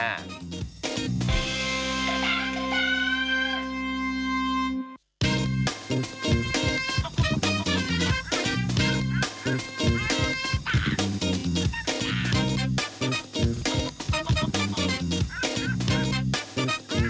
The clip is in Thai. สวัสดีค่ะ